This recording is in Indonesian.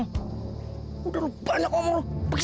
gua ada akal gue ini